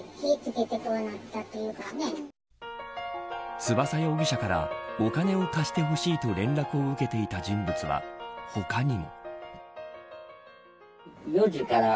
翼容疑者からお金を貸してほしいと連絡を受けていた人物は他にも。